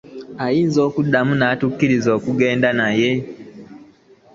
Ayinza okuddamu n'atukkiriza okugenda naye.